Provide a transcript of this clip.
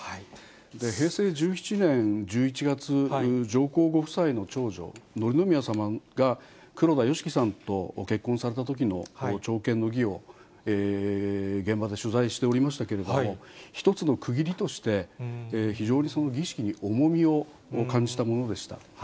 平成１７年１１月、上皇ご夫妻の長女、紀宮さまが黒田慶樹さんとご結婚されたときの朝見の儀を現場で取材しておりましたけれども、一つの区切りとして、非常に儀式に重みを感じたものでした。